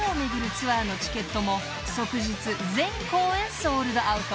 ツアーのチケットも即日全公演ソールドアウト］